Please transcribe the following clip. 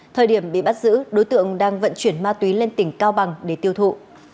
thời điểm bị bắt giữ đối tượng đang vận chuyển ma túy lên tỉnh cao bằng để tiêu thụ